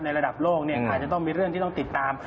ในระดับโลกใครจะต้องมีเรื่องที่ต้องติดตาม